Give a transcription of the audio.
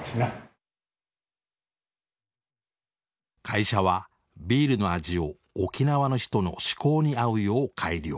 会社はビールの味を沖縄の人の嗜好に合うよう改良。